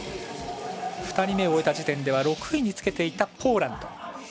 ２人目、終えた時点では６位につけていたポーランド。